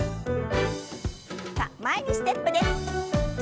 さあ前にステップです。